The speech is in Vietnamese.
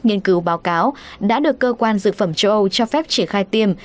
nghiên cứu báo cáo đã được cơ quan dược phẩm châu âu cho phép triển khai tiêm